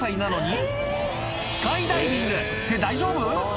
って大丈夫？